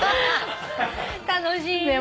楽しいね。